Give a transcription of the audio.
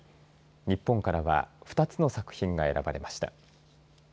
日本からは２つの作品が選ばれました。